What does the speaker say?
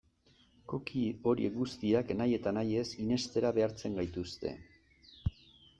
Cookie horiek guztiak nahi eta nahi ez irenstera behartzen gaituzte.